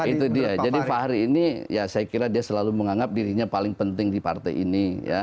itu dia jadi fahri ini ya saya kira dia selalu menganggap dirinya paling penting di partai ini